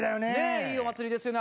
いいお祭りですよね。